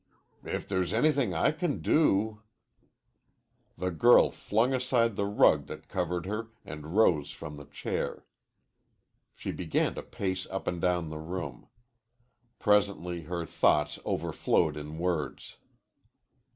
"If there's anything I can do " The girl flung aside the rug that covered her and rose from the chair. She began to pace up and down the room. Presently her thoughts overflowed in words.